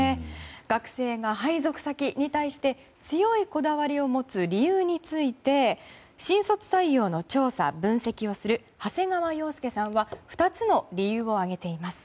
学生が配属先に対して強いこだわりを持つ理由について、新卒採用の調査分析をする長谷川洋介さんは２つの理由を挙げています。